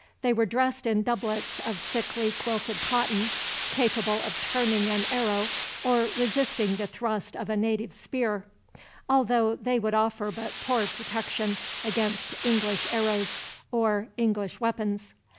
They were dressed in doublets of thickly quilted cotton, capable of turning an arrow or resisting the thrust of a native spear; although they would offer but poor protection against English arrows, or English weapons.